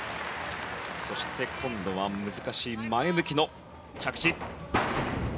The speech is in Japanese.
そして今度は難しい前向きの着地。